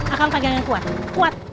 akam pegangan kuat kuat